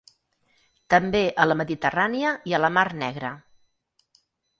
També a la Mediterrània i a la Mar Negra.